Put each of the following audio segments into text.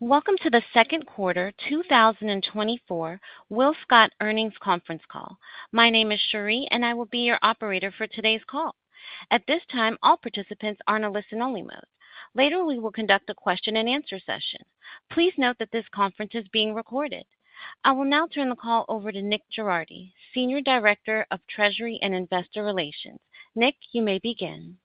Welcome to the Second Quarter 2024 WillScot Earnings Conference Call. My name is Cherie, and I will be your operator for today's call. At this time, all participants are in a listen-only mode. Later, we will conduct a question-and-answer session. Please note that this conference is being recorded. I will now turn the call over to Nick Girardi, Senior Director of Treasury and Investor Relations. Nick, you may begin.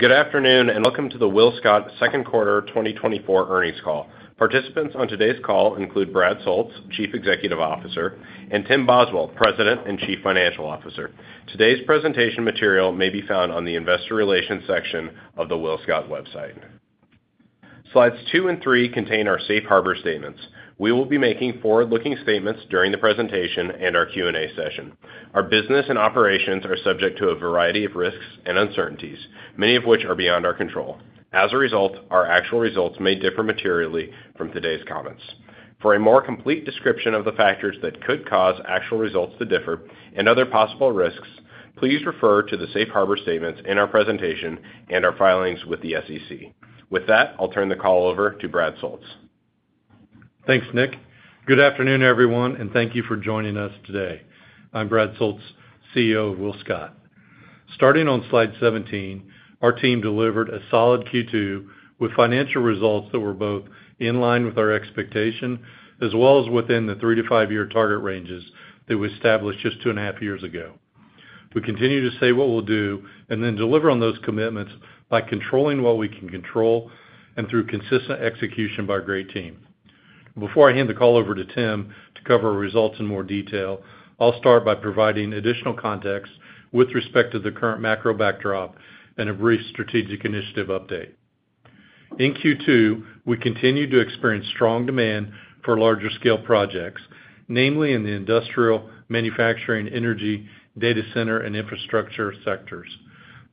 Good afternoon, and welcome to the WillScot Second Quarter 2024 Earnings Call. Participants on today's call include Brad Soultz, Chief Executive Officer, and Tim Boswell, President and Chief Financial Officer. Today's presentation material may be found on the Investor Relations section of the WillScot website. Slides two and three contain our safe harbor statements. We will be making forward-looking statements during the presentation and our Q&A session. Our business and operations are subject to a variety of risks and uncertainties, many of which are beyond our control. As a result, our actual results may differ materially from today's comments. For a more complete description of the factors that could cause actual results to differ and other possible risks, please refer to the safe harbor statements in our presentation and our filings with the SEC. With that, I'll turn the call over to Brad Soultz. Thanks, Nick. Good afternoon, everyone, and thank you for joining us today. I'm Brad Soultz, CEO of WillScot. Starting on slide 17, our team delivered a solid Q2 with financial results that were both in line with our expectation as well as within the three to five-year target ranges that we established just two and a half years ago. We continue to say what we'll do and then deliver on those commitments by controlling what we can control and through consistent execution by a great team. Before I hand the call over to Tim to cover our results in more detail, I'll start by providing additional context with respect to the current macro backdrop and a brief strategic initiative update. In Q2, we continue to experience strong demand for larger-scale projects, namely in the industrial, manufacturing, energy, data center, and infrastructure sectors.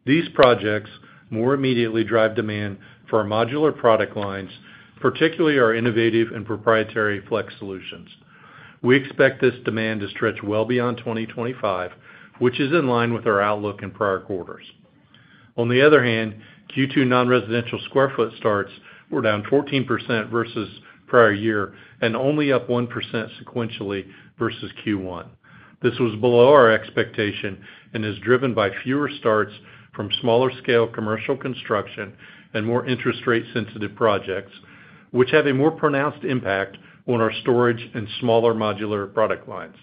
These projects more immediately drive demand for our modular product lines, particularly our innovative and proprietary Flex solutions. We expect this demand to stretch well beyond 2025, which is in line with our outlook in prior quarters. On the other hand, Q2 non-residential square foot starts were down 14% versus prior year and only up 1% sequentially versus Q1. This was below our expectation and is driven by fewer starts from smaller-scale commercial construction and more interest rate-sensitive projects, which have a more pronounced impact on our storage and smaller modular product lines.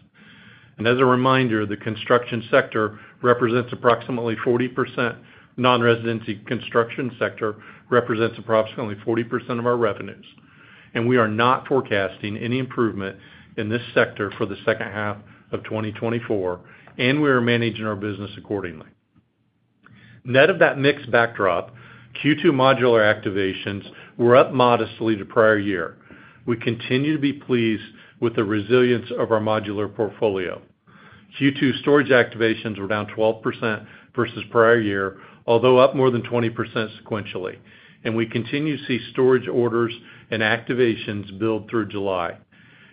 As a reminder, the construction sector represents approximately 40%. Non-residential construction sector represents approximately 40% of our revenues. We are not forecasting any improvement in this sector for the second half of 2024, and we are managing our business accordingly. Net of that mixed backdrop, Q2 modular activations were up modestly to prior year. We continue to be pleased with the resilience of our modular portfolio. Q2 storage activations were down 12% versus prior year, although up more than 20% sequentially. We continue to see storage orders and activations build through July.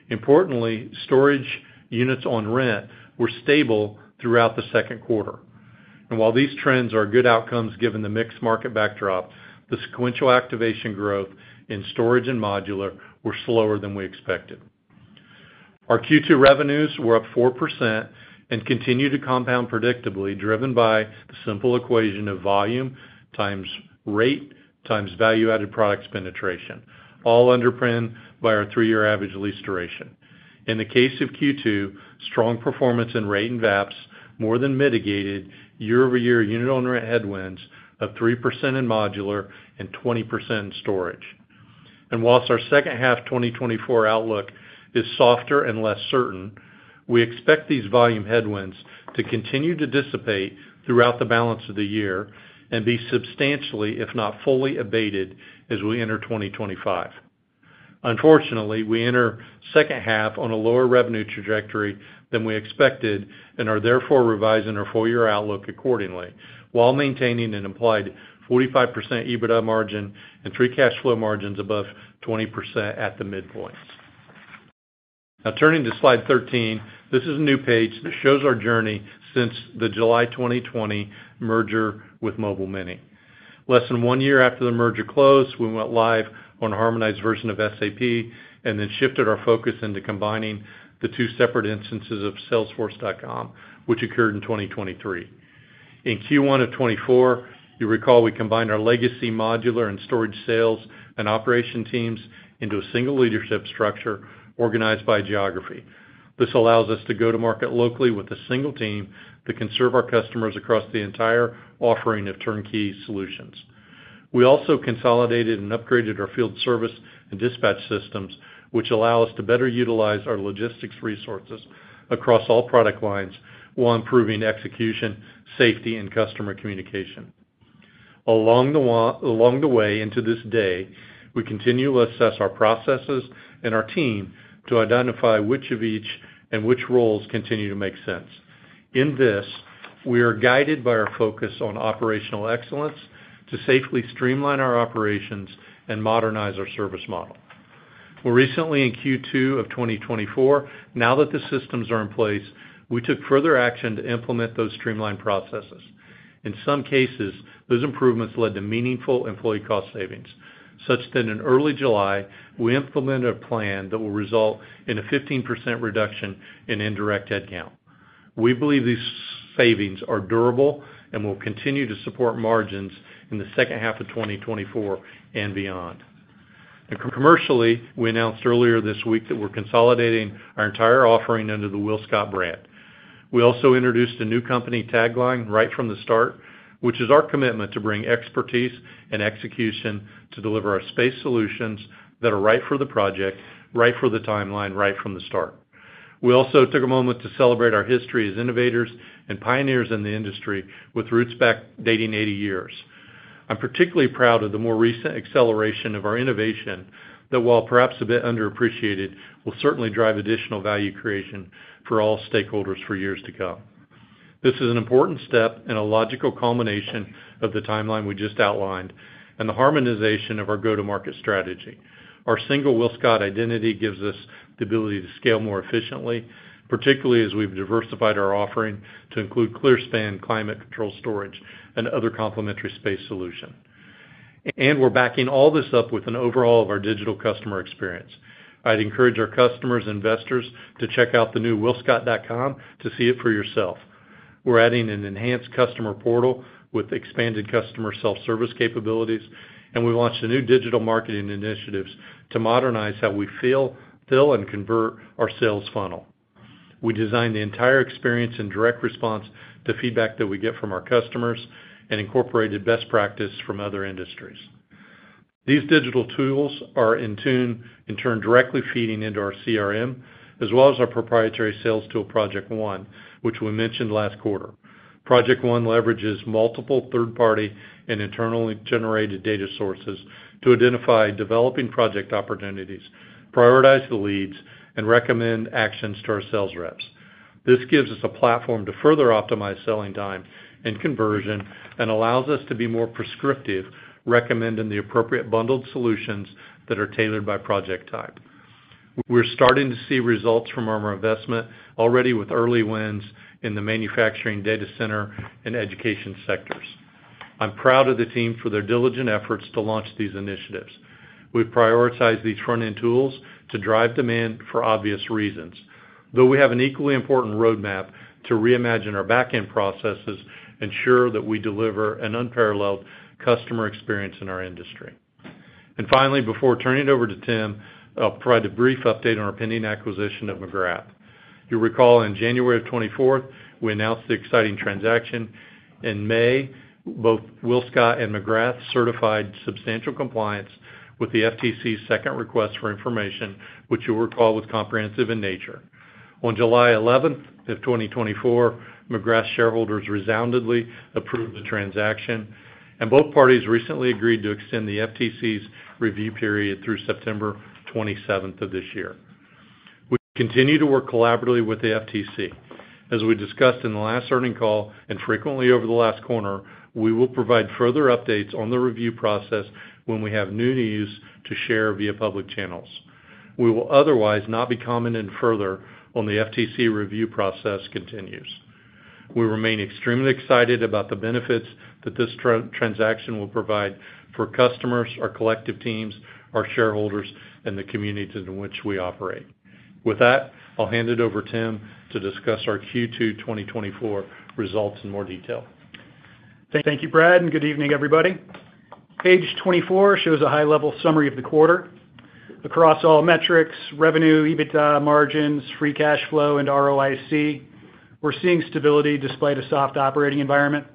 Importantly, storage units on rent were stable throughout the second quarter. While these trends are good outcomes given the mixed market backdrop, the sequential activation growth in storage and modular were slower than we expected. Our Q2 revenues were up 4% and continue to compound predictably, driven by the simple equation of volume times rate times Value-Added Products penetration, all underpinned by our three-year average lease duration. In the case of Q2, strong performance in rate and VAPs more than mitigated year-over-year unit-on-rent headwinds of 3% in modular and 20% in storage. While our second half 2024 outlook is softer and less certain, we expect these volume headwinds to continue to dissipate throughout the balance of the year and be substantially, if not fully, abated as we enter 2025. Unfortunately, we enter second half on a lower revenue trajectory than we expected and are therefore revising our four-year outlook accordingly, while maintaining an implied 45% EBITDA margin and free cash flow margins above 20% at the midpoint. Now, turning to slide 13, this is a new page that shows our journey since the July 2020 merger with Mobile Mini. Less than one year after the merger closed, we went live on a harmonized version of SAP and then shifted our focus into combining the two separate instances of Salesforce.com, which occurred in 2023. In Q1 of 2024, you recall we combined our legacy modular and storage sales and operation teams into a single leadership structure organized by geography. This allows us to go to market locally with a single team that can serve our customers across the entire offering of turnkey solutions. We also consolidated and upgraded our field service and dispatch systems, which allow us to better utilize our logistics resources across all product lines while improving execution, safety, and customer communication. Along the way to this day, we continue to assess our processes and our team to identify which of each and which roles continue to make sense. In this, we are guided by our focus on operational excellence to safely streamline our operations and modernize our service model. More recently, in Q2 of 2024, now that the systems are in place, we took further action to implement those streamlined processes. In some cases, those improvements led to meaningful employee cost savings, such that in early July, we implemented a plan that will result in a 15% reduction in indirect headcount. We believe these savings are durable and will continue to support margins in the second half of 2024 and beyond. Commercially, we announced earlier this week that we're consolidating our entire offering under the WillScot brand. We also introduced a new company tagline Right From The Start, which is our commitment to bring expertise and execution to deliver our space solutions that are right for the project, right for the timeline, Right From The Start. We also took a moment to celebrate our history as innovators and pioneers in the industry with roots back dating 80 years. I'm particularly proud of the more recent acceleration of our innovation that, while perhaps a bit underappreciated, will certainly drive additional value creation for all stakeholders for years to come. This is an important step and a logical culmination of the timeline we just outlined and the harmonization of our go-to-market strategy. Our single WillScot identity gives us the ability to scale more efficiently, particularly as we've diversified our offering to include ClearSpan climate-controlled storage and other complementary space solutions. We're backing all this up with an overhaul of our digital customer experience. I'd encourage our customers and investors to check out the new WillScot.com to see it for yourself. We're adding an enhanced customer portal with expanded customer self-service capabilities, and we launched a new digital marketing initiative to modernize how we fill and convert our sales funnel. We designed the entire experience and direct response to feedback that we get from our customers and incorporated best practice from other industries. These digital tools are in tune and turn directly feeding into our CRM, as well as our proprietary sales tool Project 1, which we mentioned last quarter. Project 1 leverages multiple third-party and internally generated data sources to identify developing project opportunities, prioritize the leads, and recommend actions to our sales reps. This gives us a platform to further optimize selling time and conversion and allows us to be more prescriptive, recommending the appropriate bundled solutions that are tailored by project type. We're starting to see results from our investment already with early wins in the manufacturing, data center, and education sectors. I'm proud of the team for their diligent efforts to launch these initiatives. We've prioritized these front-end tools to drive demand for obvious reasons, though we have an equally important roadmap to reimagine our back-end processes and ensure that we deliver an unparalleled customer experience in our industry. Finally, before turning it over to Tim, I'll provide a brief update on our pending acquisition of McGrath. You'll recall in January of 2024, we announced the exciting transaction. In May, both WillScot and McGrath certified substantial compliance with the FTC's second request for information, which you'll recall was comprehensive in nature. On July 11th of 2024, McGrath shareholders resoundingly approved the transaction, and both parties recently agreed to extend the FTC's review period through September 27th of this year. We continue to work collaboratively with the FTC. As we discussed in the last earnings call and frequently over the last quarter, we will provide further updates on the review process when we have new news to share via public channels. We will otherwise not be commenting further on the FTC review process continues. We remain extremely excited about the benefits that this transaction will provide for customers, our collective teams, our shareholders, and the communities in which we operate. With that, I'll hand it over to Tim to discuss our Q2 2024 results in more detail. Thank you, Brad, and good evening, everybody. Page 24 shows a high-level summary of the quarter. Across all metrics, revenue, EBITDA, margins, free cash flow, and ROIC, we're seeing stability despite a soft operating environment.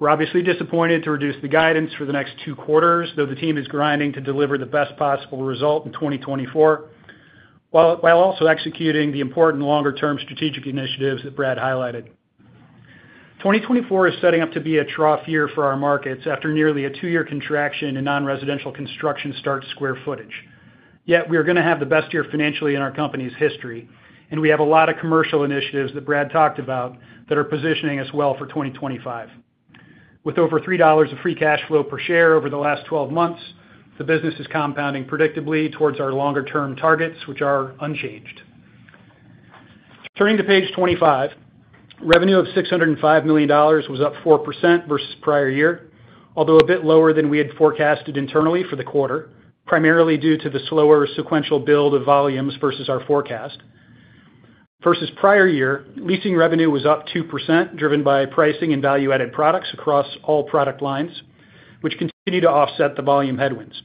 We're obviously disappointed to reduce the guidance for the next two quarters, though the team is grinding to deliver the best possible result in 2024 while also executing the important longer-term strategic initiatives that Brad highlighted. 2024 is setting up to be a trough year for our markets after nearly a two-year contraction in non-residential construction start square footage. Yet we are going to have the best year financially in our company's history, and we have a lot of commercial initiatives that Brad talked about that are positioning us well for 2025. With over $3 of free cash flow per share over the last 12 months, the business is compounding predictably towards our longer-term targets, which are unchanged. Turning to page 25, revenue of $605 million was up 4% versus prior year, although a bit lower than we had forecasted internally for the quarter, primarily due to the slower sequential build of volumes versus our forecast. Versus prior year, leasing revenue was up 2%, driven by pricing and Value-Added Products across all product lines, which continue to offset the volume headwinds.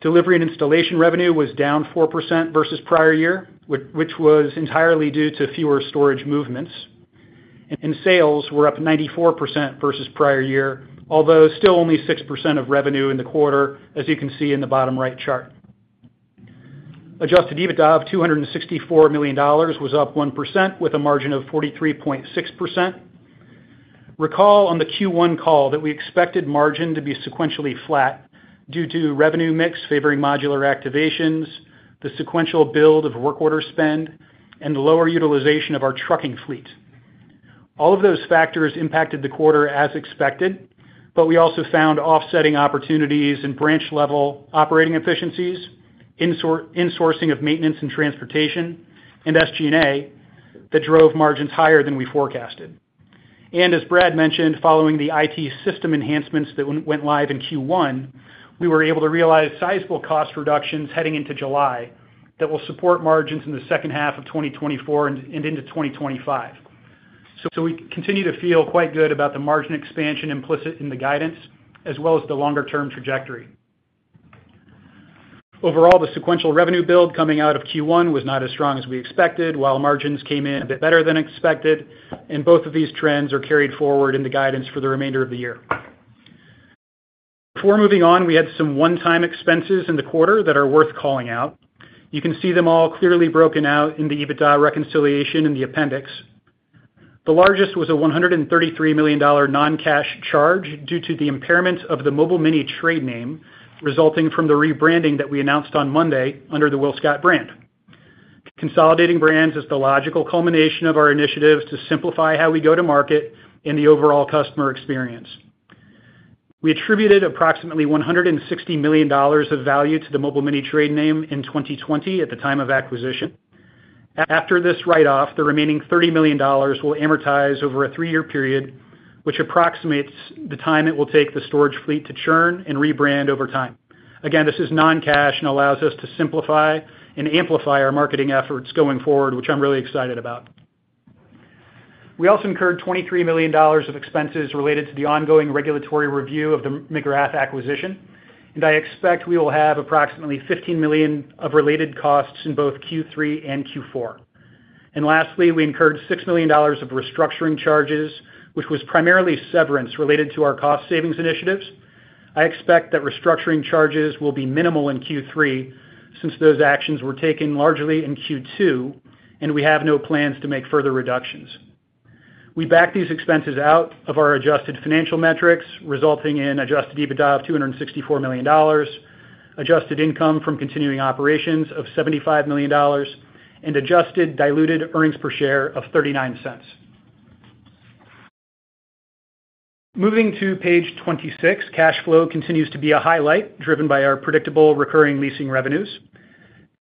Delivery and installation revenue was down 4% versus prior year, which was entirely due to fewer storage movements. Sales were up 94% versus prior year, although still only 6% of revenue in the quarter, as you can see in the bottom right chart. Adjusted EBITDA of $264 million was up 1% with a margin of 43.6%. Recall on the Q1 call that we expected margin to be sequentially flat due to revenue mix favoring modular activations, the sequential build of work order spend, and the lower utilization of our trucking fleet. All of those factors impacted the quarter as expected, but we also found offsetting opportunities in branch-level operating efficiencies, insourcing of maintenance and transportation, and SG&A that drove margins higher than we forecasted. And as Brad mentioned, following the IT system enhancements that went live in Q1, we were able to realize sizable cost reductions heading into July that will support margins in the second half of 2024 and into 2025. So we continue to feel quite good about the margin expansion implicit in the guidance, as well as the longer-term trajectory. Overall, the sequential revenue build coming out of Q1 was not as strong as we expected, while margins came in a bit better than expected. Both of these trends are carried forward in the guidance for the remainder of the year. Before moving on, we had some one-time expenses in the quarter that are worth calling out. You can see them all clearly broken out in the EBITDA reconciliation in the appendix. The largest was a $133 million non-cash charge due to the impairment of the Mobile Mini trade name resulting from the rebranding that we announced on Monday under the WillScot brand. Consolidating brands is the logical culmination of our initiative to simplify how we go to market and the overall customer experience. We attributed approximately $160 million of value to the Mobile Mini trade name in 2020 at the time of acquisition. After this write-off, the remaining $30 million will amortize over a three-year period, which approximates the time it will take the storage fleet to churn and rebrand over time. Again, this is non-cash and allows us to simplify and amplify our marketing efforts going forward, which I'm really excited about. We also incurred $23 million of expenses related to the ongoing regulatory review of the McGrath acquisition, and I expect we will have approximately $15 million of related costs in both Q3 and Q4. And lastly, we incurred $6 million of restructuring charges, which was primarily severance related to our cost savings initiatives. I expect that restructuring charges will be minimal in Q3 since those actions were taken largely in Q2, and we have no plans to make further reductions. We backed these expenses out of our adjusted financial metrics, resulting in Adjusted EBITDA of $264 million, Adjusted Income from Continuing Operations of $75 million, and Adjusted Diluted Earnings Per Share of $0.39. Moving to page 26, cash flow continues to be a highlight, driven by our predictable recurring leasing revenues.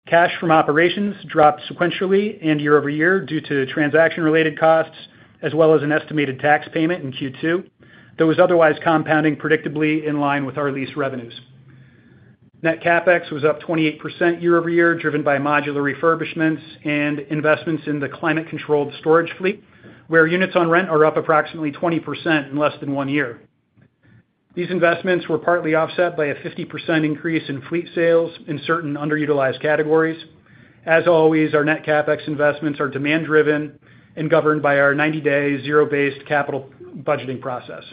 Cash from operations dropped sequentially and year-over-year due to transaction-related costs, as well as an estimated tax payment in Q2, though it was otherwise compounding predictably in line with our lease revenues. Net CapEx was up 28% year-over-year, driven by modular refurbishments and investments in the climate-controlled storage fleet, where units on rent are up approximately 20% in less than one year. These investments were partly offset by a 50% increase in fleet sales in certain underutilized categories. As always, our Net CapEx investments are demand-driven and governed by our 90-day zero-based capital budgeting process.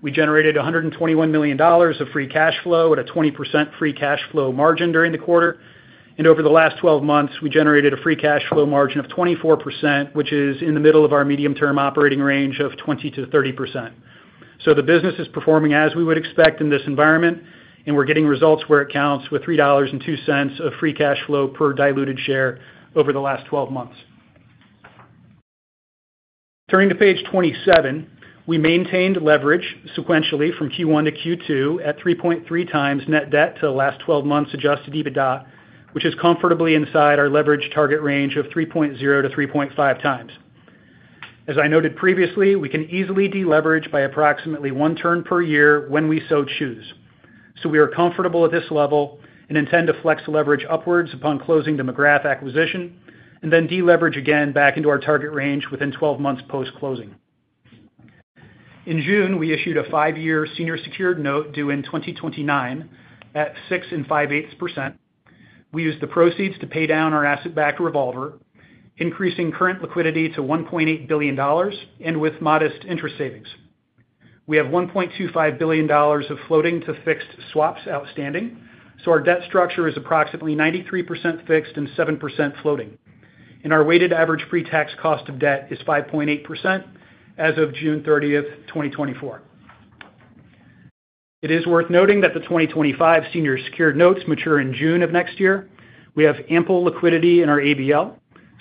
We generated $121 million of free cash flow at a 20% free cash flow margin during the quarter. Over the last 12 months, we generated a free cash flow margin of 24%, which is in the middle of our medium-term operating range of 20%-30%. The business is performing as we would expect in this environment, and we're getting results where it counts with $3.02 of free cash flow per diluted share over the last 12 months. Turning to page 27, we maintained leverage sequentially from Q1 to Q2 at 3.3x net debt to last 12 months Adjusted EBITDA, which is comfortably inside our leverage target range of 3.0x-3.5x. As I noted previously, we can easily deleverage by approximately one turn per year when we so choose. So we are comfortable at this level and intend to flex leverage upwards upon closing the McGrath acquisition and then deleverage again back into our target range within 12 months post-closing. In June, we issued a five-year senior secured note due in 2029 at 6.58%. We used the proceeds to pay down our asset-backed revolver, increasing current liquidity to $1.8 billion and with modest interest savings. We have $1.25 billion of floating to fixed swaps outstanding, so our debt structure is approximately 93% fixed and 7% floating. And our weighted average pre-tax cost of debt is 5.8% as of June 30th, 2024. It is worth noting that the 2025 senior secured notes mature in June of next year. We have ample liquidity in our ABL,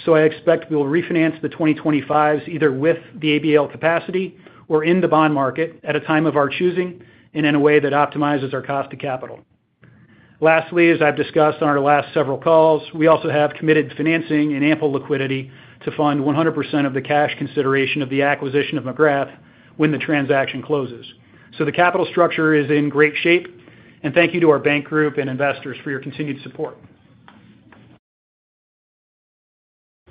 so I expect we will refinance the 2025s either with the ABL capacity or in the bond market at a time of our choosing and in a way that optimizes our cost of capital. Lastly, as I've discussed on our last several calls, we also have committed financing and ample liquidity to fund 100% of the cash consideration of the acquisition of McGrath when the transaction closes. So the capital structure is in great shape, and thank you to our bank group and investors for your continued support.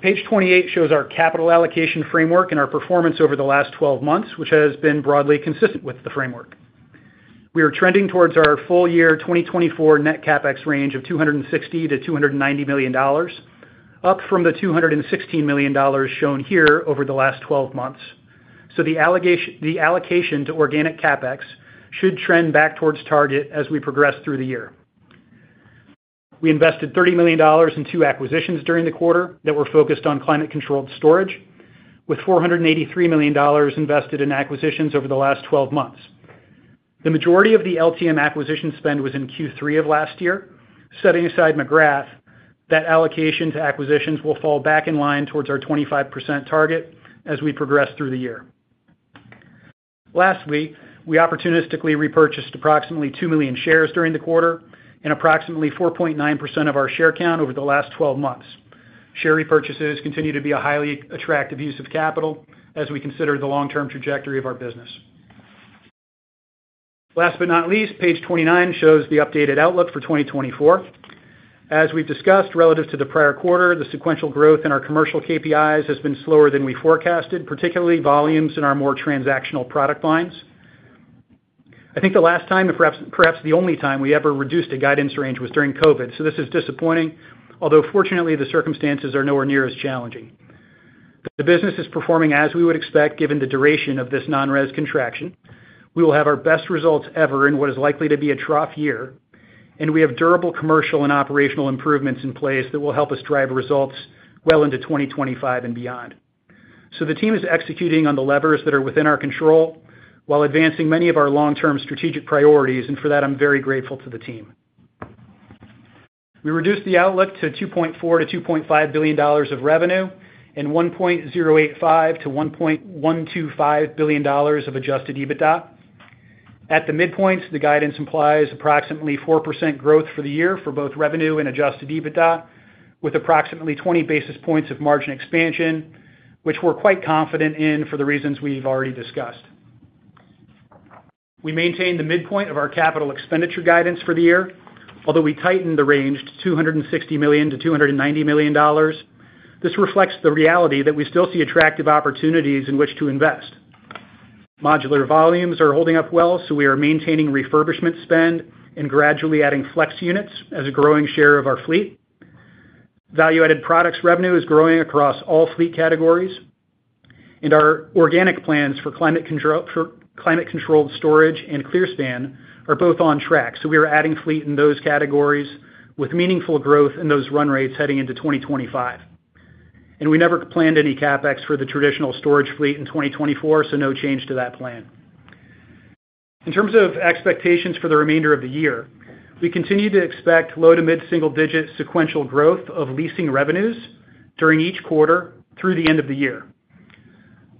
Page 28 shows our capital allocation framework and our performance over the last 12 months, which has been broadly consistent with the framework. We are trending towards our full year 2024 Net CapEx range of $260 million-$290 million, up from the $216 million shown here over the last 12 months. So the allocation to organic CapEx should trend back towards target as we progress through the year. We invested $30 million in two acquisitions during the quarter that were focused on climate-controlled storage, with $483 million invested in acquisitions over the last 12 months. The majority of the LTM acquisition spend was in Q3 of last year. Setting aside McGrath, that allocation to acquisitions will fall back in line towards our 25% target as we progress through the year. Lastly, we opportunistically repurchased approximately 2 million shares during the quarter and approximately 4.9% of our share count over the last 12 months. Share repurchases continue to be a highly attractive use of capital as we consider the long-term trajectory of our business. Last but not least, page 29 shows the updated outlook for 2024. As we've discussed relative to the prior quarter, the sequential growth in our commercial KPIs has been slower than we forecasted, particularly volumes in our more transactional product lines. I think the last time, if perhaps the only time, we ever reduced a guidance range was during COVID, so this is disappointing, although fortunately, the circumstances are nowhere near as challenging. The business is performing as we would expect given the duration of this non-res contraction. We will have our best results ever in what is likely to be a trough year, and we have durable commercial and operational improvements in place that will help us drive results well into 2025 and beyond. So the team is executing on the levers that are within our control while advancing many of our long-term strategic priorities, and for that, I'm very grateful to the team. We reduced the outlook to $2.4 billion-$2.5 billion of revenue and $1.085 billion-$1.125 billion of Adjusted EBITDA. At the midpoint, the guidance implies approximately 4% growth for the year for both revenue and Adjusted EBITDA, with approximately 20 basis points of margin expansion, which we're quite confident in for the reasons we've already discussed. We maintain the midpoint of our capital expenditure guidance for the year, although we tightened the range to $260 million-$290 million. This reflects the reality that we still see attractive opportunities in which to invest. Modular volumes are holding up well, so we are maintaining refurbishment spend and gradually adding flex units as a growing share of our fleet. Value-Added Products revenue is growing across all fleet categories, and our organic plans for climate-controlled storage and clear span are both on track. We are adding fleet in those categories with meaningful growth in those run rates heading into 2025. We never planned any CapEx for the traditional storage fleet in 2024, so no change to that plan. In terms of expectations for the remainder of the year, we continue to expect low to mid-single-digit sequential growth of leasing revenues during each quarter through the end of the year.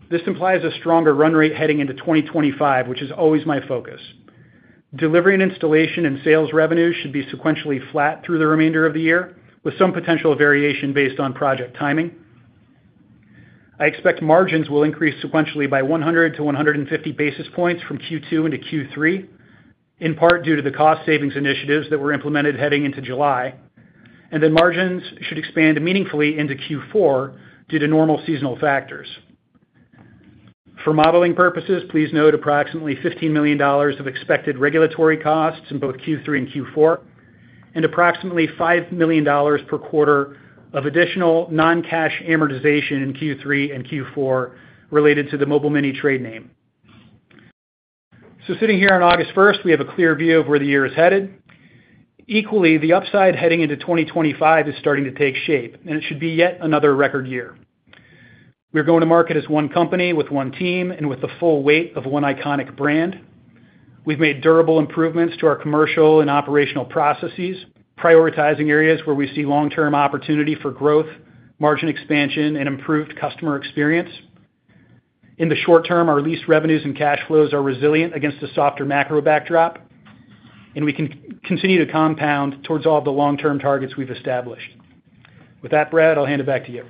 This implies a stronger run rate heading into 2025, which is always my focus. Delivery and installation and sales revenues should be sequentially flat through the remainder of the year, with some potential variation based on project timing. I expect margins will increase sequentially by 100-150 basis points from Q2 into Q3, in part due to the cost savings initiatives that were implemented heading into July. Then margins should expand meaningfully into Q4 due to normal seasonal factors. For modeling purposes, please note approximately $15 million of expected regulatory costs in both Q3 and Q4, and approximately $5 million per quarter of additional non-cash amortization in Q3 and Q4 related to the Mobile Mini trade name. So sitting here on August 1st, we have a clear view of where the year is headed. Equally, the upside heading into 2025 is starting to take shape, and it should be yet another record year. We're going to market as one company with one team and with the full weight of one iconic brand. We've made durable improvements to our commercial and operational processes, prioritizing areas where we see long-term opportunity for growth, margin expansion, and improved customer experience. In the short term, our leased revenues and cash flows are resilient against a softer macro backdrop, and we can continue to compound towards all of the long-term targets we've established. With that, Brad, I'll hand it back to you.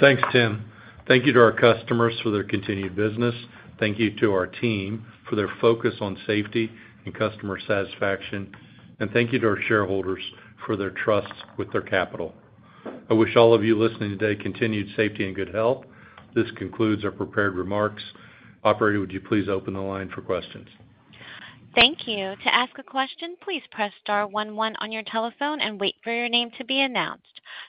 Thanks, Tim. Thank you to our customers for their continued business. Thank you to our team for their focus on safety and customer satisfaction, and thank you to our shareholders for their trust with their capital. I wish all of you listening today continued safety and good health. This concludes our prepared remarks. Operator, would you please open the line for questions? Thank you. To ask a question, please press star one one on your telephone and wait for your name to be announced.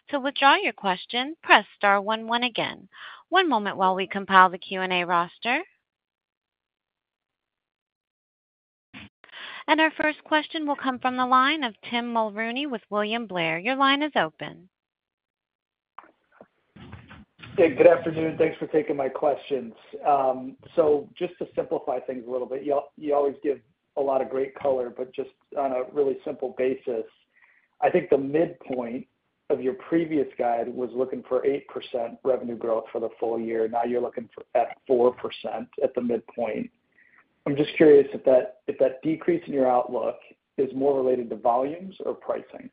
To withdraw your question, press star one one again. One moment while we compile the Q&A roster. Our first question will come from the line of Tim Mulrooney with William Blair. Your line is open. Hey, good afternoon. Thanks for taking my questions. So just to simplify things a little bit, you always give a lot of great color, but just on a really simple basis, I think the midpoint of your previous guide was looking for 8% revenue growth for the full year. Now you're looking at 4% at the midpoint. I'm just curious if that decrease in your outlook is more related to volumes or pricing.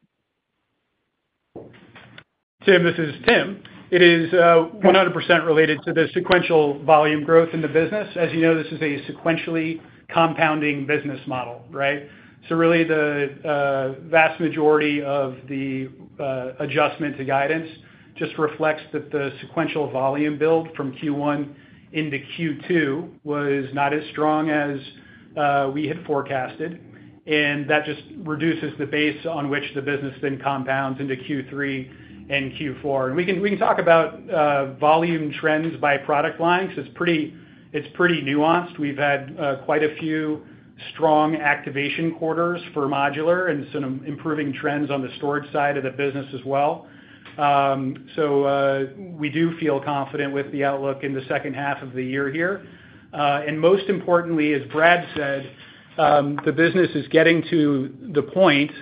Tim, this is Tim. It is 100% related to the sequential volume growth in the business. As you know, this is a sequentially compounding business model, right? So really, the vast majority of the adjustment to guidance just reflects that the sequential volume build from Q1 into Q2 was not as strong as we had forecasted, and that just reduces the base on which the business then compounds into Q3 and Q4. And we can talk about volume trends by product lines because it's pretty nuanced. We've had quite a few strong activation quarters for modular and some improving trends on the storage side of the business as well. So we do feel confident with the outlook in the second half of the year here. And most importantly, as Brad said, the business is getting to the point,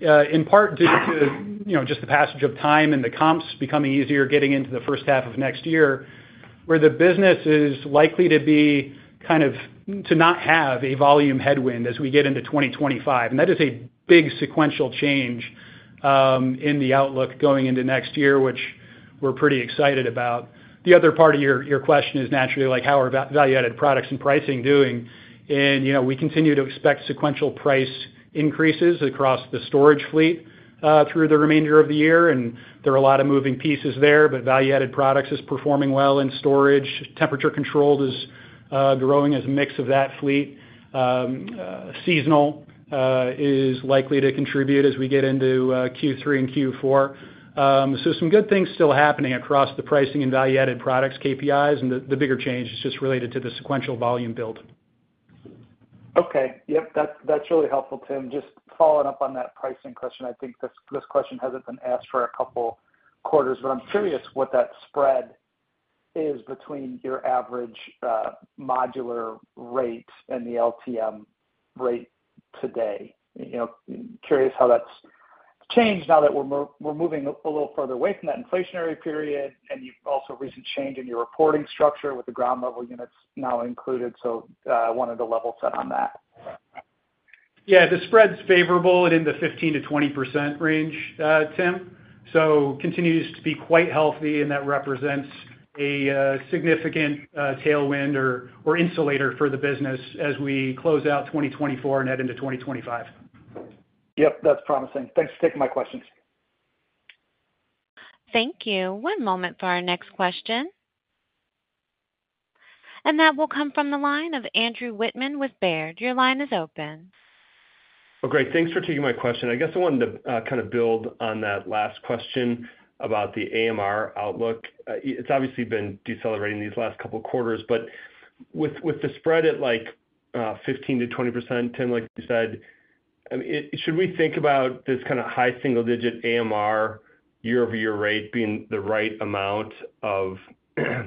in part due to just the passage of time and the comps becoming easier getting into the first half of next year, where the business is likely to be kind of to not have a volume headwind as we get into 2025. And that is a big sequential change in the outlook going into next year, which we're pretty excited about. The other part of your question is naturally like, how are Value-Added Products and pricing doing? We continue to expect sequential price increases across the storage fleet through the remainder of the year, and there are a lot of moving pieces there, but Value-Added Products is performing well in storage. Temperature control is growing as a mix of that fleet. Seasonal is likely to contribute as we get into Q3 and Q4. So some good things still happening across the pricing and Value-Added Products KPIs, and the bigger change is just related to the sequential volume build. Okay. Yep. That's really helpful, Tim. Just following up on that pricing question, I think this question hasn't been asked for a couple quarters, but I'm curious what that spread is between your average modular rate and the LTM rate today. Curious how that's changed now that we're moving a little further away from that inflationary period, and you've also recently changed in your reporting structure with the ground-level units now included, so I wanted to level set on that. Yeah. The spread's favorable in the 15%-20% range, Tim. So continues to be quite healthy, and that represents a significant tailwind or insulator for the business as we close out 2024 and head into 2025. Yep. That's promising. Thanks for taking my questions. Thank you. One moment for our next question. And that will come from the line of Andrew Wittmann with Baird. Your line is open. Well, great. Thanks for taking my question. I guess I wanted to kind of build on that last question about the AMR outlook. It's obviously been decelerating these last couple quarters, but with the spread at 15%-20%, Tim, like you said, should we think about this kind of high single-digit AMR year-over-year rate being the right amount of, I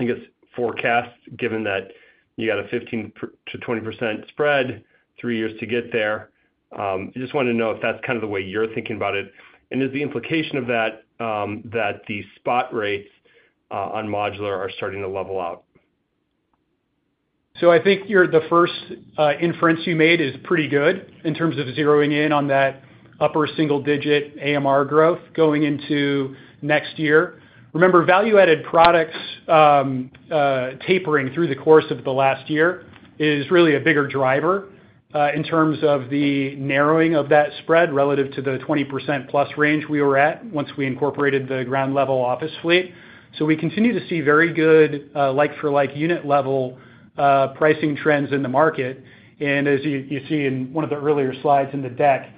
guess, forecast, given that you got a 15%-20% spread, 3 years to get there? I just wanted to know if that's kind of the way you're thinking about it, and is the implication of that that the spot rates on modular are starting to level out? So I think the first inference you made is pretty good in terms of zeroing in on that upper single-digit AMR growth going into next year. Remember, Value-Added Products tapering through the course of the last year is really a bigger driver in terms of the narrowing of that spread relative to the 20%+ range we were at once we incorporated the ground-level office fleet. So we continue to see very good like-for-like unit-level pricing trends in the market. And as you see in one of the earlier slides in the deck,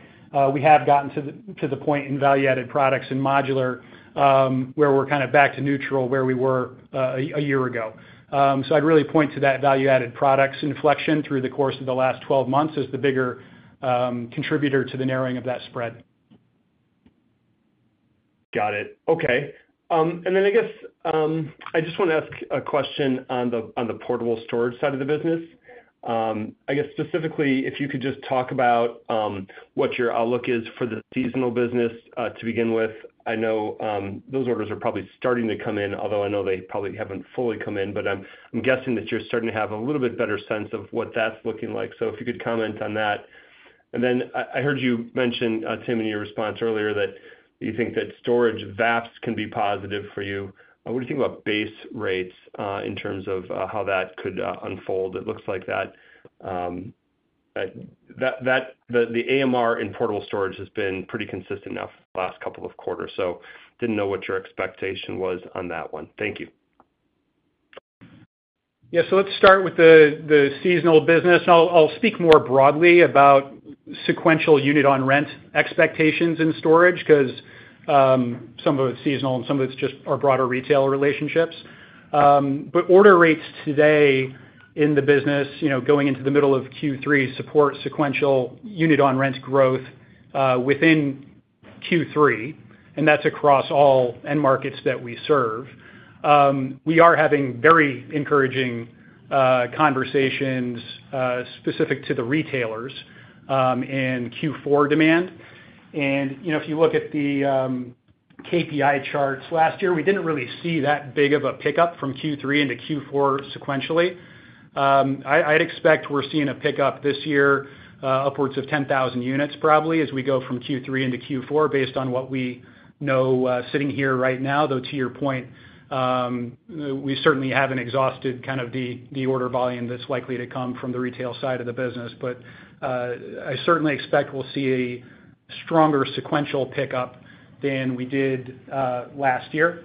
we have gotten to the point in Value-Added Products and modular where we're kind of back to neutral where we were a year ago. So I'd really point to that Value-Added Products inflection through the course of the last 12 months as the bigger contributor to the narrowing of that spread. Got it. Okay. And then I guess I just want to ask a question on the portable storage side of the business. I guess specifically, if you could just talk about what your outlook is for the seasonal business to begin with. I know those orders are probably starting to come in, although I know they probably haven't fully come in, but I'm guessing that you're starting to have a little bit better sense of what that's looking like. So if you could comment on that. And then I heard you mention, Tim, in your response earlier that you think that storage VAPS can be positive for you. What do you think about base rates in terms of how that could unfold? It looks like that the AMR in portable storage has been pretty consistent now for the last couple of quarters, so didn't know what your expectation was on that one. Thank you. Yeah. So let's start with the seasonal business. I'll speak more broadly about sequential unit-on-rent expectations in storage because some of it's seasonal and some of it's just our broader retail relationships. But order rates today in the business, going into the middle of Q3, support sequential unit-on-rent growth within Q3, and that's across all end markets that we serve. We are having very encouraging conversations specific to the retailers in Q4 demand. And if you look at the KPI charts last year, we didn't really see that big of a pickup from Q3 into Q4 sequentially. I'd expect we're seeing a pickup this year, upwards of 10,000 units probably as we go from Q3 into Q4 based on what we know sitting here right now. Though to your point, we certainly haven't exhausted kind of the order volume that's likely to come from the retail side of the business, but I certainly expect we'll see a stronger sequential pickup than we did last year.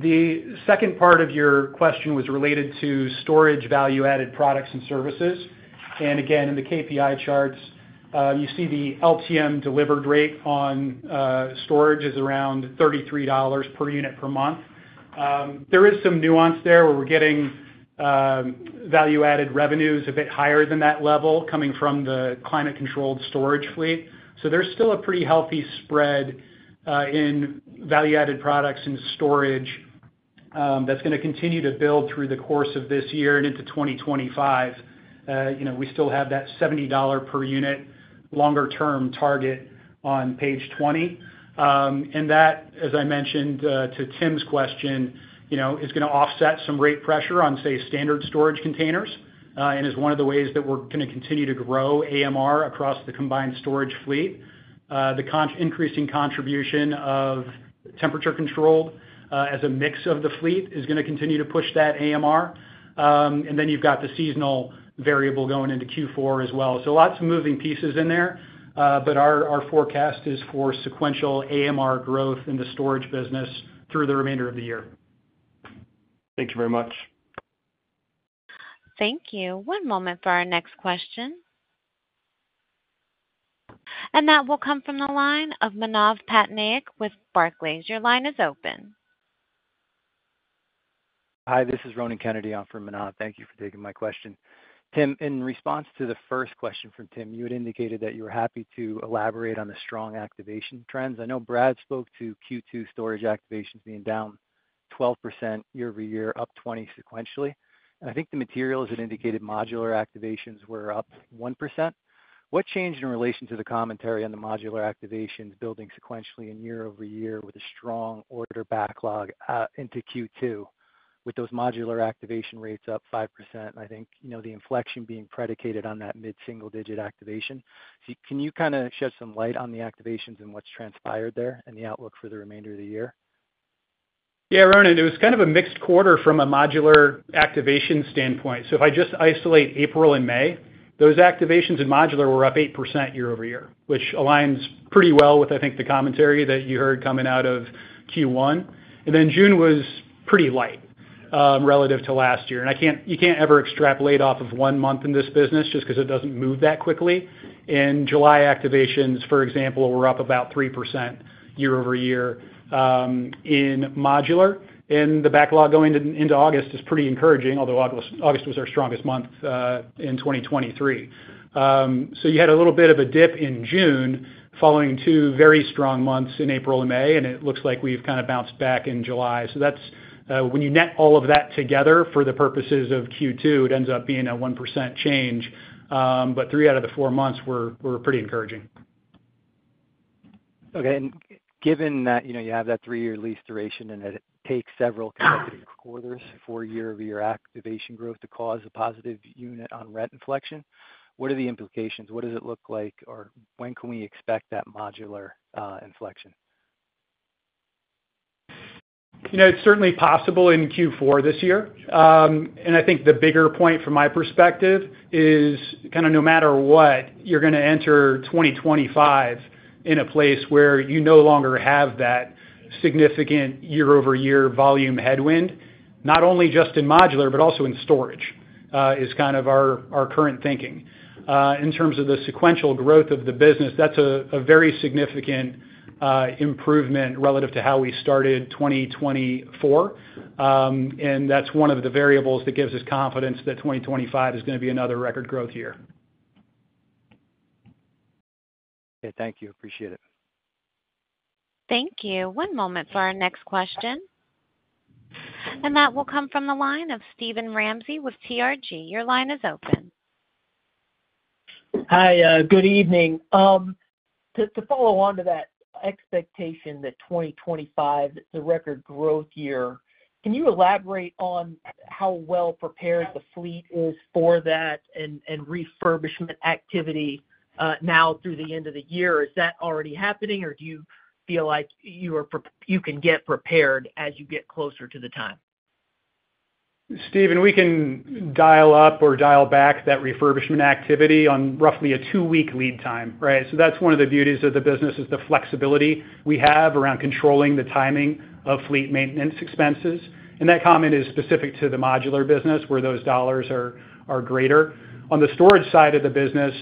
The second part of your question was related to storage Value-Added Products and Services. Again, in the KPI charts, you see the LTM delivered rate on storage is around $33 per unit per month. There is some nuance there where we're getting value-added revenues a bit higher than that level coming from the climate-controlled storage fleet. So there's still a pretty healthy spread in Value-Added Products and Storage that's going to continue to build through the course of this year and into 2025. We still have that $70 per unit longer-term target on page 20. And that, as I mentioned to Tim's question, is going to offset some rate pressure on, say, standard storage containers and is one of the ways that we're going to continue to grow AMR across the combined storage fleet. The increasing contribution of temperature-controlled as a mix of the fleet is going to continue to push that AMR. And then you've got the seasonal variable going into Q4 as well. So lots of moving pieces in there, but our forecast is for sequential AMR growth in the storage business through the remainder of the year. Thank you very much. Thank you. One moment for our next question. And that will come from the line of Manav Patnaik with Barclays. Your line is open. Hi, this is Ronan Kennedy on for Manav. Thank you for taking my question. Tim, in response to the first question from Tim, you had indicated that you were happy to elaborate on the strong activation trends. I know Brad spoke to Q2 storage activations being down 12% year-over-year, up 20% sequentially. And I think the materials, as it indicated, modular activations were up 1%. What changed in relation to the commentary on the modular activations building sequentially year-over-year with a strong order backlog into Q2, with those modular activation rates up 5%, and I think the inflection being predicated on that mid-single-digit activation? Can you kind of shed some light on the activations and what's transpired there and the outlook for the remainder of the year? Yeah, Ronan, it was kind of a mixed quarter from a modular activation standpoint. So if I just isolate April and May, those activations in modular were up 8% year-over-year, which aligns pretty well with, I think, the commentary that you heard coming out of Q1. And then June was pretty light relative to last year. And you can't ever extrapolate off of one month in this business just because it doesn't move that quickly. In July, activations, for example, were up about 3% year-over-year in modular. And the backlog going into August is pretty encouraging, although August was our strongest month in 2023. So you had a little bit of a dip in June following two very strong months in April and May, and it looks like we've kind of bounced back in July. So when you net all of that together for the purposes of Q2, it ends up being a 1% change, but three out of the four months were pretty encouraging. Okay. And given that you have that three-year lease duration and that it takes several consecutive quarters for year-over-year activation growth to cause a positive unit-on-rent inflection, what are the implications? What does it look like, or when can we expect that modular inflection? It's certainly possible in Q4 this year. And I think the bigger point from my perspective is kind of no matter what, you're going to enter 2025 in a place where you no longer have that significant year-over-year volume headwind, not only just in modular, but also in storage, is kind of our current thinking. In terms of the sequential growth of the business, that's a very significant improvement relative to how we started 2024, and that's one of the variables that gives us confidence that 2025 is going to be another record growth year. Okay. Thank you. Appreciate it. Thank you. One moment for our next question. And that will come from the line of Steven Ramsey with TRG. Your line is open. Hi. Good evening. To follow on to that expectation that 2025 is a record growth year, can you elaborate on how well prepared the fleet is for that and refurbishment activity now through the end of the year? Is that already happening, or do you feel like you can get prepared as you get closer to the time? Steven, we can dial up or dial back that refurbishment activity on roughly a two-week lead time, right? So that's one of the beauties of the business, is the flexibility we have around controlling the timing of fleet maintenance expenses. And that comment is specific to the modular business where those dollars are greater. On the storage side of the business,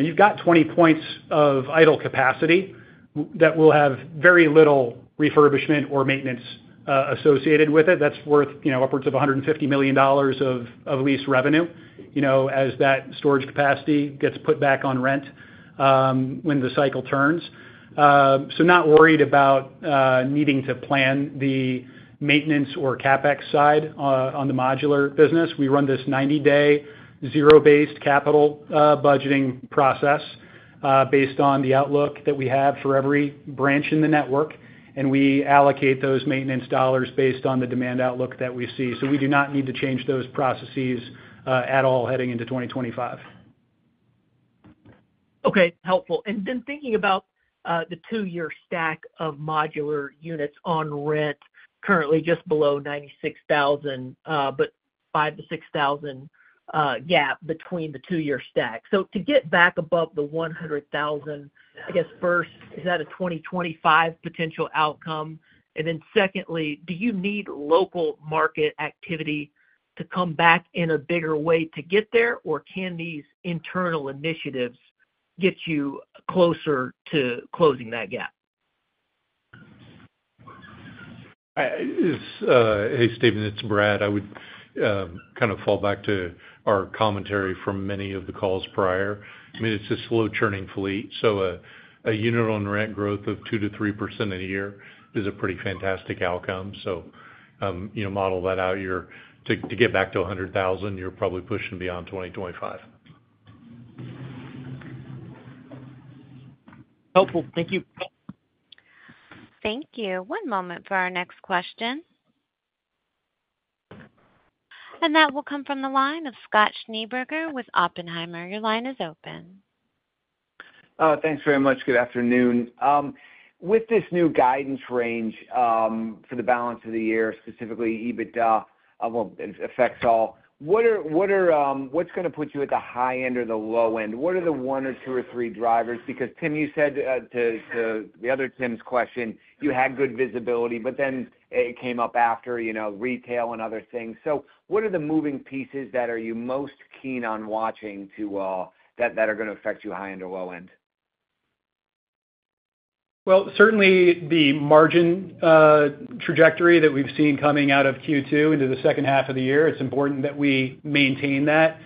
you've got 20 points of idle capacity that will have very little refurbishment or maintenance associated with it. That's worth upwards of $150 million of lease revenue as that storage capacity gets put back on rent when the cycle turns. So not worried about needing to plan the maintenance or CapEx side on the modular business. We run this 90-day zero-based capital budgeting process based on the outlook that we have for every branch in the network, and we allocate those maintenance dollars based on the demand outlook that we see. So we do not need to change those processes at all heading into 2025. Okay. Helpful. Then thinking about the two-year stack of modular units on rent, currently just below 96,000, but 5,000-6,000 gap between the two-year stack. So to get back above the 100,000, I guess first, is that a 2025 potential outcome? And then secondly, do you need local market activity to come back in a bigger way to get there, or can these internal initiatives get you closer to closing that gap? Hey, Steven, it's Brad. I would kind of fall back to our commentary from many of the calls prior. I mean, it's a slow-churning fleet, so a unit-on-rent growth of 2%-3% a year is a pretty fantastic outcome. So model that out. To get back to 100,000, you're probably pushing beyond 2025. Helpful. Thank you. Thank you. One moment for our next question. And that will come from the line of Scott Schneeberger with Oppenheimer. Your line is open. Thanks very much. Good afternoon. With this new guidance range for the balance of the year, specifically EBITDA, well, it affects all. What's going to put you at the high end or the low end? What are the one or two or three drivers? Because, Tim, you said to the other Tim's question, you had good visibility, but then it came up after retail and other things. So what are the moving pieces that are you most keen on watching that are going to affect you high end or low end? Well, certainly the margin trajectory that we've seen coming out of Q2 into the second half of the year, it's important that we maintain that.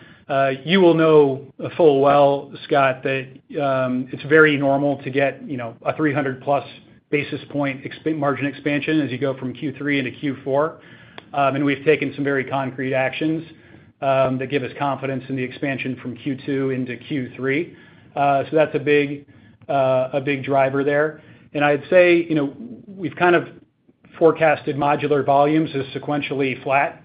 You will know full well, Scott, that it's very normal to get a 300+ basis point margin expansion as you go from Q3 into Q4. We've taken some very concrete actions that give us confidence in the expansion from Q2 into Q3. So that's a big driver there. I'd say we've kind of forecasted modular volumes as sequentially flat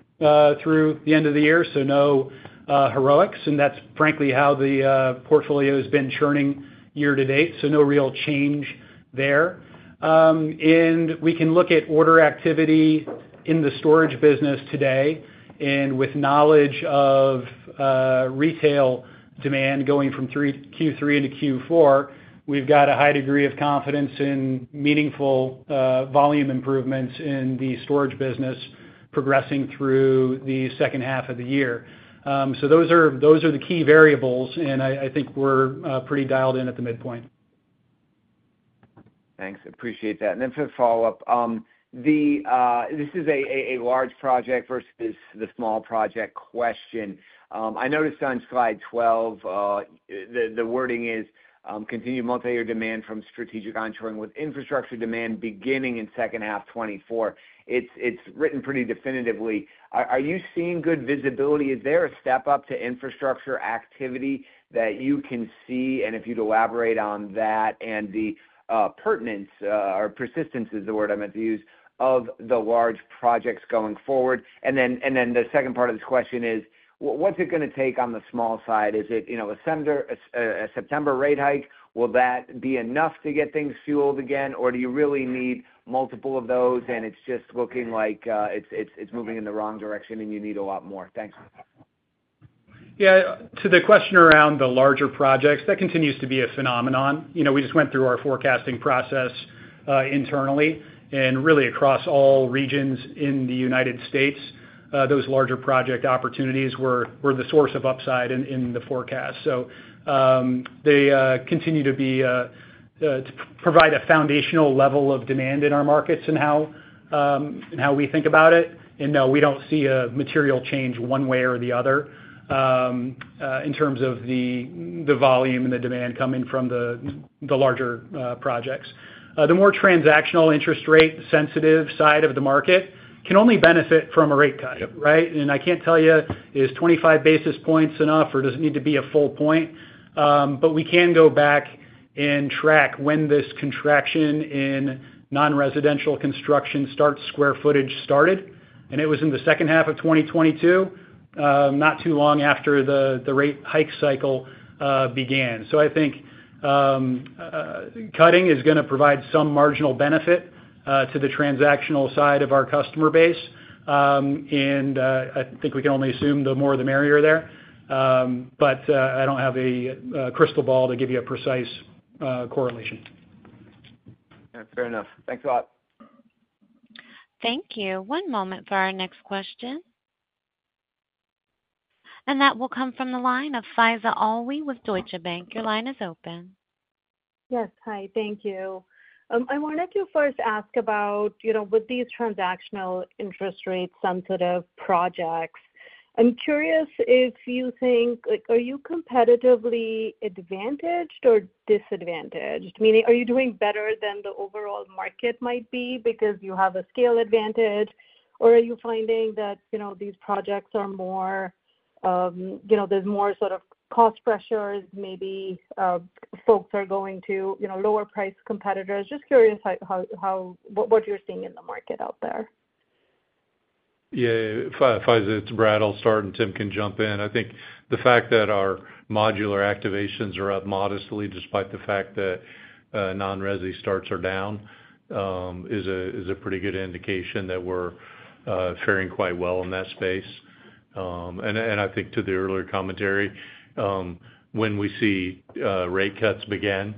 through the end of the year, so no heroics. That's frankly how the portfolio has been churning year to date, so no real change there. We can look at order activity in the storage business today. With knowledge of retail demand going from Q3 into Q4, we've got a high degree of confidence in meaningful volume improvements in the storage business progressing through the second half of the year. So those are the key variables, and I think we're pretty dialed in at the midpoint. Thanks. Appreciate that. Then for follow-up, this is a large project versus the small project question. I noticed on slide 12, the wording is, "Continued multi-year demand from strategic onshoring with infrastructure demand beginning in second half 2024." It's written pretty definitively. Are you seeing good visibility? Is there a step up to infrastructure activity that you can see? And if you'd elaborate on that and the pertinence or persistence is the word I meant to use of the large projects going forward. And then the second part of this question is, what's it going to take on the small side? Is it a September rate hike? Will that be enough to get things fueled again, or do you really need multiple of those, and it's just looking like it's moving in the wrong direction and you need a lot more? Thanks. Yeah. To the question around the larger projects, that continues to be a phenomenon. We just went through our forecasting process internally. Really, across all regions in the United States, those larger project opportunities were the source of upside in the forecast. They continue to provide a foundational level of demand in our markets and how we think about it. No, we don't see a material change one way or the other in terms of the volume and the demand coming from the larger projects. The more transactional, interest-rate-sensitive side of the market can only benefit from a rate cut, right? I can't tell you, is 25 basis points enough, or does it need to be a full point? But we can go back and track when this contraction in non-residential construction square footage started. It was in the second half of 2022, not too long after the rate hike cycle began. So I think cutting is going to provide some marginal benefit to the transactional side of our customer base. And I think we can only assume the more the merrier there. But I don't have a crystal ball to give you a precise correlation. Fair enough. Thanks a lot. Thank you. One moment for our next question. And that will come from the line of Faiza Alwy with Deutsche Bank. Your line is open. Yes. Hi. Thank you. I wanted to first ask about, with these transactional interest-rate-sensitive projects, I'm curious if you think, are you competitively advantaged or disadvantaged? Meaning, are you doing better than the overall market might be because you have a scale advantage, or are you finding that these projects are more, there's more sort of cost pressures, maybe folks are going to lower-priced competitors? Just curious what you're seeing in the market out there. Yeah. Faiza, it's Brad Soultz. Tim can jump in. I think the fact that our modular activations are up modestly despite the fact that non-resi starts are down is a pretty good indication that we're faring quite well in that space. I think to the earlier commentary, when we see rate cuts begin,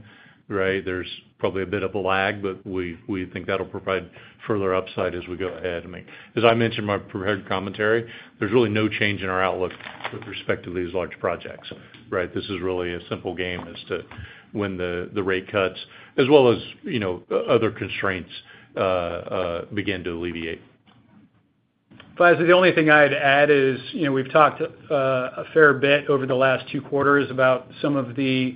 right, there's probably a bit of a lag, but we think that'll provide further upside as we go ahead. I mean, as I mentioned in my prepared commentary, there's really no change in our outlook with respect to these large projects, right? This is really a simple game as to when the rate cuts, as well as other constraints, begin to alleviate. Faiza, the only thing I'd add is we've talked a fair bit over the last two quarters about some of the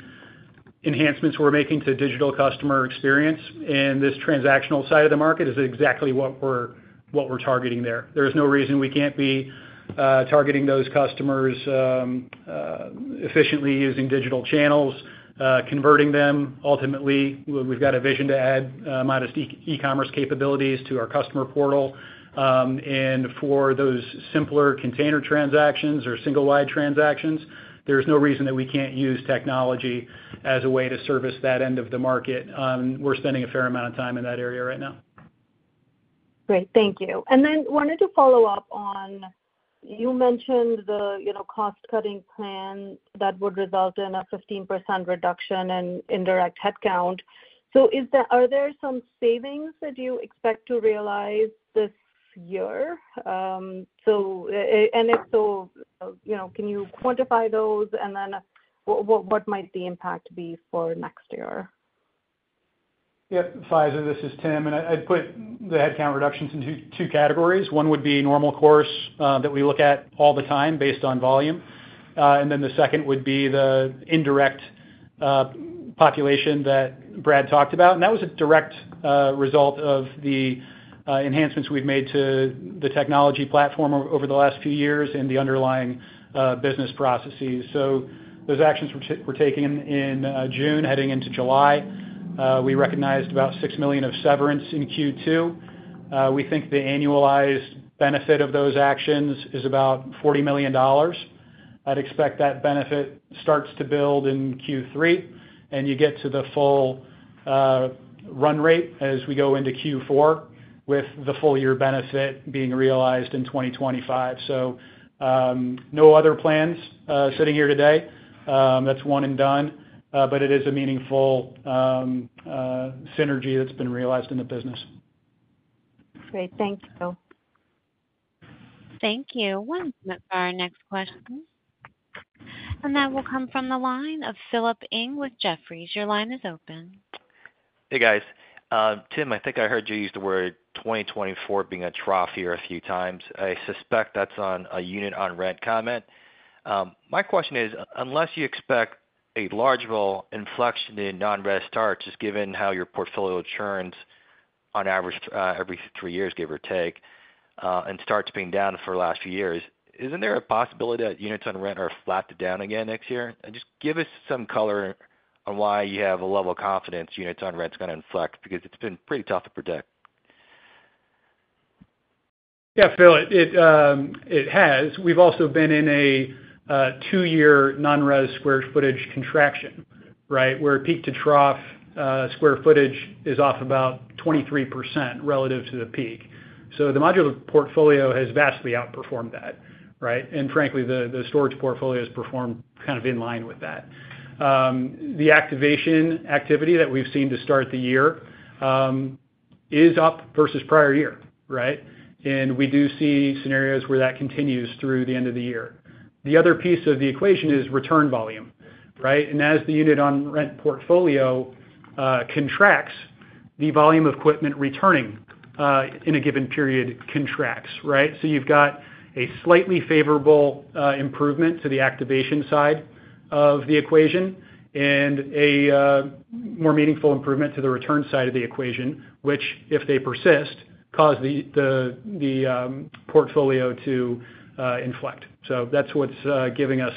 enhancements we're making to digital customer experience. And this transactional side of the market is exactly what we're targeting there. There is no reason we can't be targeting those customers efficiently using digital channels, converting them. Ultimately, we've got a vision to add modest e-commerce capabilities to our customer portal. And for those simpler container transactions or single-wide transactions, there's no reason that we can't use technology as a way to service that end of the market. We're spending a fair amount of time in that area right now. Great. Thank you. And then wanted to follow up on, you mentioned the cost-cutting plan that would result in a 15% reduction in indirect headcount. So are there some savings that you expect to realize this year? And if so, can you quantify those, and then what might the impact be for next year? Yeah. Faiza, this is Tim. And I'd put the headcount reductions in two categories. One would be normal course that we look at all the time based on volume. And then the second would be the indirect population that Brad talked about. And that was a direct result of the enhancements we've made to the technology platform over the last few years and the underlying business processes. So those actions were taken in June heading into July. We recognized about $6 million of severance in Q2. We think the annualized benefit of those actions is about $40 million. I'd expect that benefit starts to build in Q3, and you get to the full run rate as we go into Q4 with the full-year benefit being realized in 2025. So no other plans sitting here today. That's one and done. But it is a meaningful synergy that's been realized in the business. Great. Thank you. Thank you. One moment for our next question. That will come from the line of Philip Ng with Jefferies. Your line is open. Hey, guys. Tim, I think I heard you use the word 2024 being a trough here a few times. I suspect that's on a unit-on-rent comment. My question is, unless you expect a large inflection in non-resi starts, just given how your portfolio churns on average every three years, give or take, and starts being down for the last few years, isn't there a possibility that units on rent are flattened down again next year? And just give us some color on why you have a level of confidence units on rent's going to inflect because it's been pretty tough to predict. Yeah, Phil, it has. We've also been in a two-year non-resi square footage contraction, right, where peak-to-trough square footage is off about 23% relative to the peak. So the modular portfolio has vastly outperformed that, right? And frankly, the storage portfolio has performed kind of in line with that. The activation activity that we've seen to start the year is up versus prior year, right? And we do see scenarios where that continues through the end of the year. The other piece of the equation is return volume, right? And as the unit-on-rent portfolio contracts, the volume of equipment returning in a given period contracts, right? So you've got a slightly favorable improvement to the activation side of the equation and a more meaningful improvement to the return side of the equation, which, if they persist, cause the portfolio to inflect. So that's what's giving us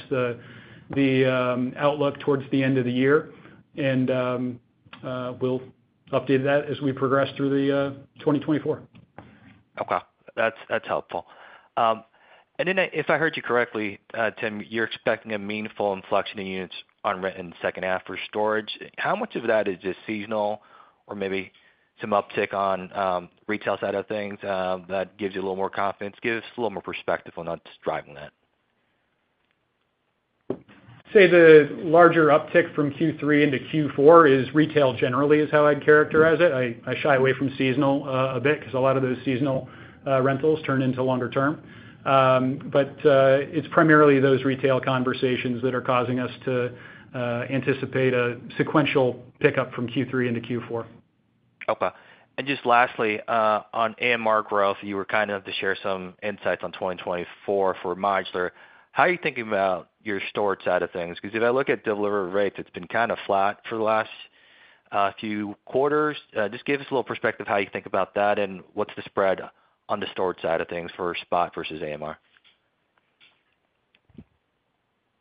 the outlook towards the end of the year. And we'll update that as we progress through 2024. Okay. That's helpful. And then if I heard you correctly, Tim, you're expecting a meaningful inflection in units on rent in the second half for storage. How much of that is just seasonal or maybe some uptick on the retail side of things that gives you a little more confidence, gives a little more perspective on what's driving that? I'd say the larger uptick from Q3 into Q4 is retail generally, is how I'd characterize it. I shy away from seasonal a bit because a lot of those seasonal rentals turn into longer-term. But it's primarily those retail conversations that are causing us to anticipate a sequential pickup from Q3 into Q4. Okay. And just lastly, on AMR growth, you were kind enough to share some insights on 2024 for modular. How are you thinking about your storage side of things? Because if I look at delivery rates, it's been kind of flat for the last few quarters. Just give us a little perspective of how you think about that and what's the spread on the storage side of the business for spot versus AMR?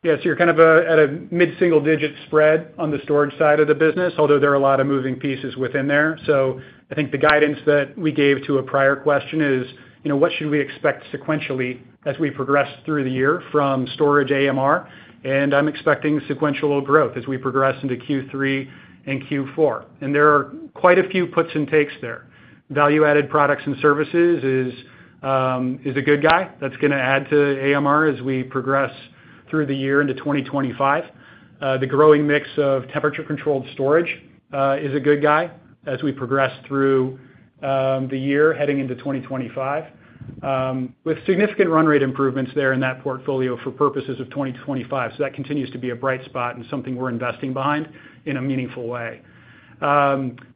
Yeah. So you're kind of at a mid-single-digit spread on the storage side of the business, although there are a lot of moving pieces within there. So I think the guidance that we gave to a prior question is, what should we expect sequentially as we progress through the year from storage AMR? And I'm expecting sequential growth as we progress into Q3 and Q4. And there are quite a few puts and takes there. Value-Added Products and Services is a good guy that's going to add to AMR as we progress through the year into 2025. The growing mix of temperature-controlled storage is a good guy as we progress through the year heading into 2025 with significant run rate improvements there in that portfolio for purposes of 2025. So that continues to be a bright spot and something we're investing behind in a meaningful way.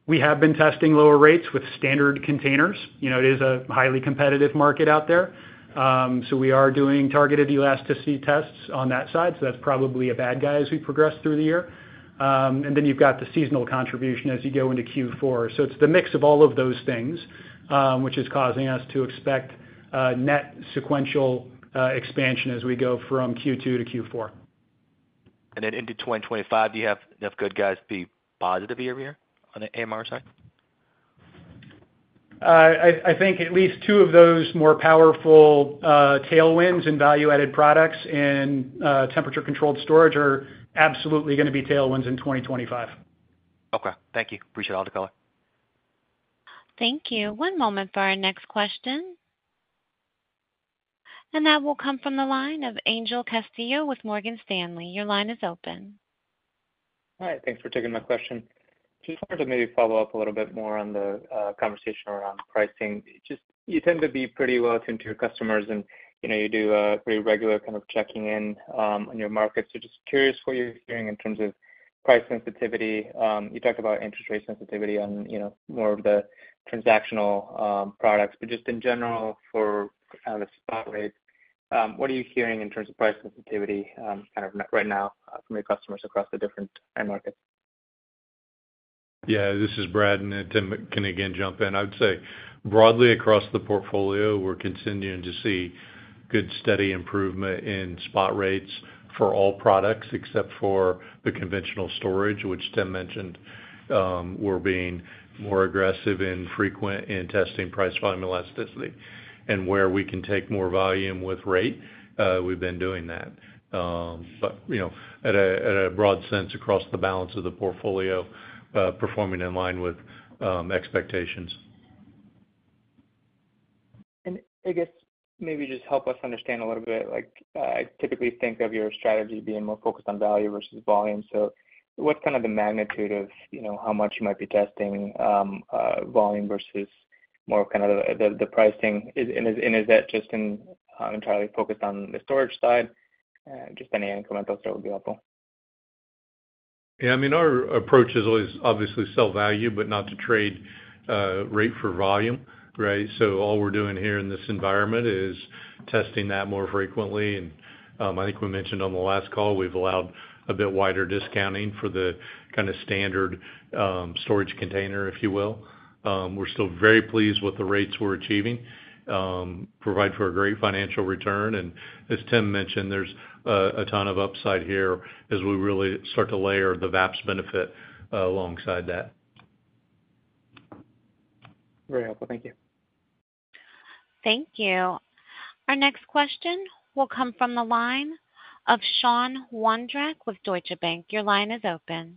We have been testing lower rates with standard containers. It is a highly competitive market out there. So we are doing targeted elasticity tests on that side. So that's probably a bad guy as we progress through the year. And then you've got the seasonal contribution as you go into Q4. So it's the mix of all of those things, which is causing us to expect net sequential expansion as we go from Q2 to Q4. And then into 2025, do you have enough good guys to be positive year-to-year on the AMR side? I think at least two of those more powerful tailwinds and Value-Added Products in temperature-controlled storage are absolutely going to be tailwinds in 2025. Okay. Thank you. Appreciate all the color. Thank you. One moment for our next question. That will come from the line of Angel Castillo with Morgan Stanley. Your line is open. All right. Thanks for taking my question. Just wanted to maybe follow up a little bit more on the conversation around pricing. You tend to be pretty well-tuned to your customers, and you do a pretty regular kind of checking in on your market. So just curious what you're hearing in terms of price sensitivity. You talked about interest-rate sensitivity on more of the transactional products. Just in general for kind of the spot rates, what are you hearing in terms of price sensitivity kind of right now from your customers across the different markets? Yeah. This is Brad. Tim can again jump in. I'd say broadly across the portfolio, we're continuing to see good steady improvement in spot rates for all products except for the conventional storage, which Tim mentioned, we're being more aggressive and frequent in testing price volume elasticity. Where we can take more volume with rate, we've been doing that. But at a broad sense, across the balance of the portfolio, performing in line with expectations. I guess maybe just help us understand a little bit. I typically think of your strategy being more focused on value versus volume. So what's kind of the magnitude of how much you might be testing volume versus more kind of the pricing? And is that just entirely focused on the storage side? Just any incremental stuff would be helpful. Yeah. I mean, our approach is always obviously sell value, but not to trade rate for volume, right? So all we're doing here in this environment is testing that more frequently. And I think we mentioned on the last call, we've allowed a bit wider discounting for the kind of standard storage container, if you will. We're still very pleased with the rates we're achieving, provide for a great financial return. And as Tim mentioned, there's a ton of upside here as we really start to layer the VAPS benefit alongside that. Very helpful. Thank you. Thank you. Our next question will come from the line of Sean Wondrack with Deutsche Bank. Your line is open.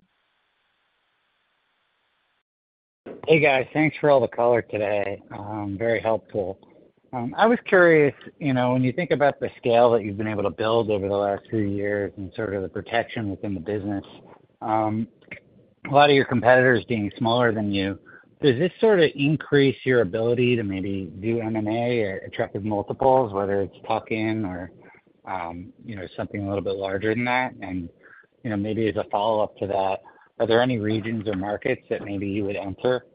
Hey, guys. Thanks for all the color today. Very helpful. I was curious, when you think about the scale that you've been able to build over the last few years and sort of the protection within the business, a lot of your competitors being smaller than you, does this sort of increase your ability to maybe do M&A or attractive multiples, whether it's tuck-in or something a little bit larger than that? And maybe as a follow-up to that, are there any regions or markets that maybe you would enter,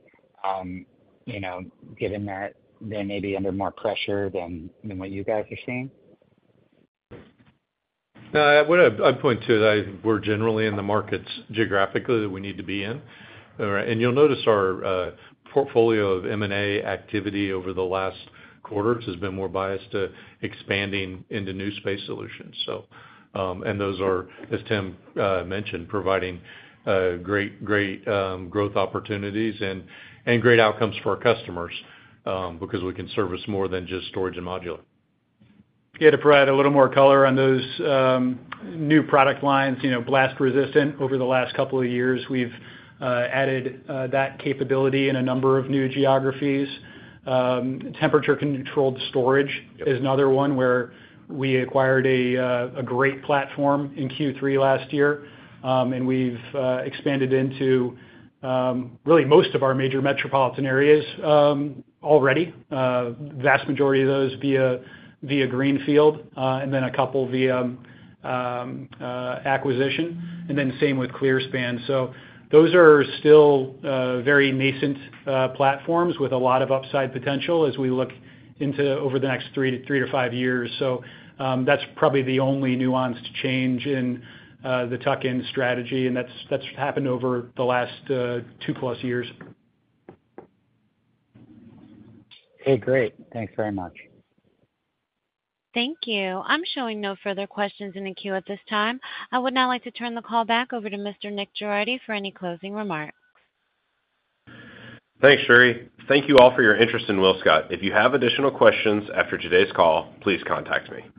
given that they may be under more pressure than what you guys are seeing? I'd point to that we're generally in the markets geographically that we need to be in. And you'll notice our portfolio of M&A activity over the last quarters has been more biased to expanding into new space solutions. Those are, as Tim mentioned, providing great growth opportunities and great outcomes for our customers because we can service more than just storage and modular. Yeah. To provide a little more color on those new product lines, blast-resistant over the last couple of years, we've added that capability in a number of new geographies. Temperature-controlled storage is another one where we acquired a great platform in Q3 last year. We've expanded into really most of our major metropolitan areas already, vast majority of those via greenfield and then a couple via acquisition. And then same with ClearSpan. So those are still very nascent platforms with a lot of upside potential as we look into over the next three to five years. So that's probably the only nuanced change in the tuck-in strategy. And that's happened over the last two plus years. Okay. Great. Thanks very much. Thank you. I'm showing no further questions in the queue at this time. I would now like to turn the call back over to Mr. Nick Girardi for any closing remarks. Thanks, Cherie. Thank you all for your interest in WillScot. If you have additional questions after today's call, please contact me.